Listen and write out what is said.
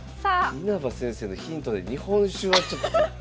稲葉先生のヒントで日本酒はちょっと。